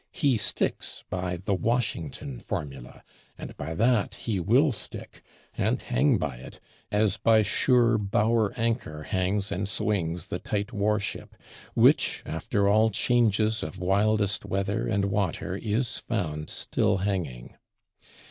He sticks by the Washington formula; and by that he will stick; and hang by it, as by sure bower anchor hangs and swings the tight war ship, which, after all changes of wildest weather and water, is found still hanging.